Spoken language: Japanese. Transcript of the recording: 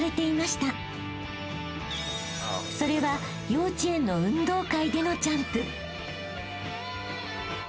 ［それは幼稚園の運動会でのジャンプ］